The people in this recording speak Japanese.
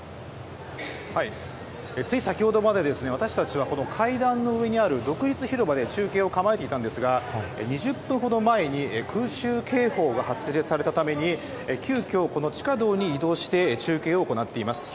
つい先ほどまで、私たちはこの階段の上にある、独立広場で中継を構えていたんですが、２０分ほど前に、空襲警報が発令されたために、急きょ、この地下道に移動して、中継を行っています。